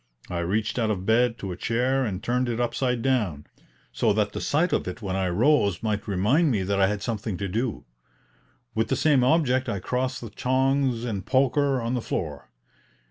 I reached out of bed to a chair and turned it upside down, so that the sight of it when I rose might remind me that I had something to do. With the same object I crossed the tongs and poker on the floor.